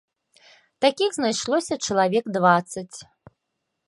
Такіх знайшлося чалавек дваццаць.